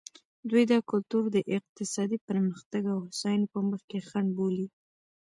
دوی دا کلتور د اقتصادي پرمختګ او هوساینې په مخ کې خنډ بولي.